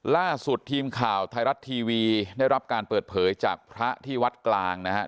ล่าสุดทีมข่าวไทยรัฐทีวีได้รับการเปิดเผยจากพระที่วัดกลางนะครับ